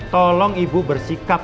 tolong ibu bersikap